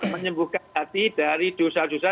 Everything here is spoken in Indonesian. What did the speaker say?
menyembuhkan hati dari dosa dosa